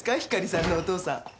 ひかりさんのお父さん。